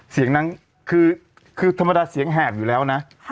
เสียงนั้นคือธรรมดาเสียงแหบอยู่แล้วนะ